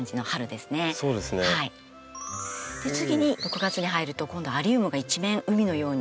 次に６月に入ると今度はアリウムが一面海のように。